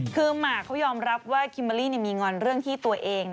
คือหมากเขายอมรับว่าคิมเบอร์รี่มีงอนเรื่องที่ตัวเอง